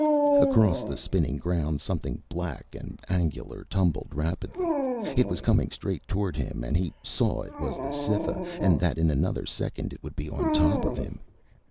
Across the spinning ground, something black and angular tumbled rapidly. It was coming straight toward him and he saw it was the Cytha and that in another second it would be on top of him.